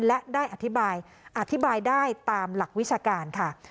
และได้อธิบายอธิบายได้ตามหลักวิชาการค่ะ